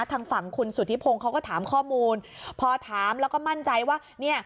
ทางฝั่งคุณสุธิพงศ์เขาก็ถามข้อมูลพอถามแล้วก็มั่นใจว่าเนี่ย